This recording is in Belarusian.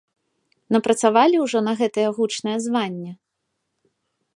Напрацавалі ўжо на гэтае гучнае званне?